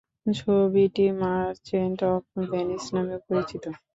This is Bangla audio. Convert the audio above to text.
ছবিটি মার্চেন্ট অফ ভেনিস নামেও পরিচিত।